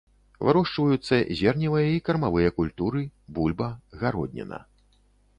Вырошчваюцца зерневыя і кармавыя культуры, бульба, гародніна.